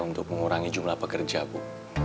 untuk mengurangi jumlah pekerja bu